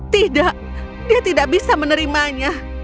tidak dia tidak bisa menerimanya